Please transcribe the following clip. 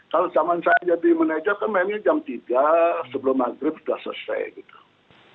kalau zaman saya jadi manajer saya mainnya jam tiga sebelum maghrib sudah selesai